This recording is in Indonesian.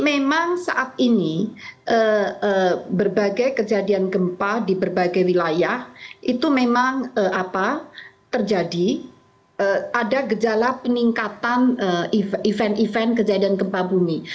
memang saat ini berbagai kejadian gempa di berbagai wilayah itu memang terjadi ada gejala peningkatan event event kejadian gempa bumi